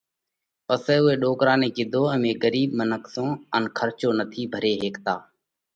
پسئہ اُوئہ ڏوڪرا نئہ ڪِيڌو: امي ڳرِيٻ منک سون ان کرچو نٿِي ڀري هيڪتا۔